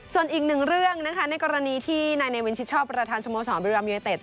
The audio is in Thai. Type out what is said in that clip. ส่วนอีกหนึ่งเรื่องนะคะในกรณีที่นายเนวินชิดชอบประธานสโมสรบริรามยูเนเต็ด